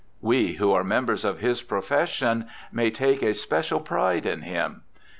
We, who are members of his profession, may take a special pride in him.